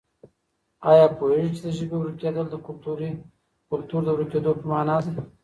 آیا پوهېږې چې د ژبې ورکېدل د کلتور د ورکېدو په مانا دي؟